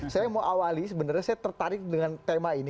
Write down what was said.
saya mau awali sebenarnya saya tertarik dengan tema ini